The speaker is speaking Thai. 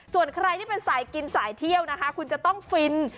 ส่วนใครที่เป็นสายกินสายเที่ยวนะคะคุณจะต้องฟิน